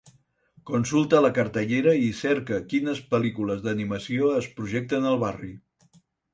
Consulta la cartellera i cerca quines pel·lícules d'animació es projecten al barri